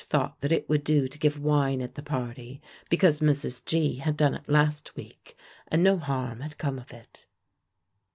thought that it would do to give wine at the party because Mrs. G. had done it last week, and no harm had come of it.